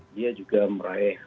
dia juga meraih